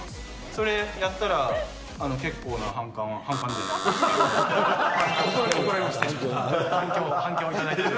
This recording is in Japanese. それやったら、結構な反感を、反感じゃない、反響、反響を頂い